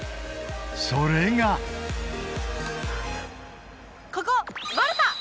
それがここマルタ！